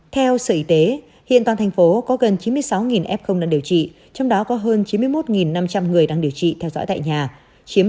theo sở y tế hiện toàn thành phố có gần chín mươi sáu f đang điều trị trong đó có hơn chín mươi một năm trăm linh người đang điều trị theo dõi tại nhà chiếm ba mươi